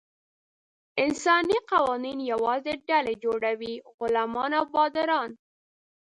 انساني قوانین یوازې ډلې جوړوي: غلامان او باداران.